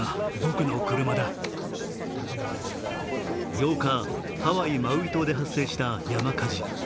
８日、ハワイ・マウイ島で発生した山火事。